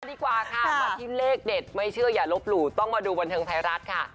ดีกว่าค่ะมาที่เลขเด็ดไม่เชื่ออย่าลบหลู่ต้องมาดูบันเทิงไทยรัฐค่ะ